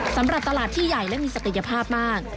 สำหรับตลาดที่ใหญ่และมีศักยภาพมาก